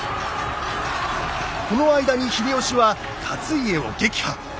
この間に秀吉は勝家を撃破。